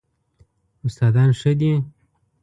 استادان ښه دي؟